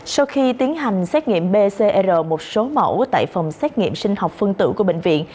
sau khi tiến hành xét nghiệm pcr một số mẫu tại phòng xét nghiệm sinh học phân tử của bệnh viện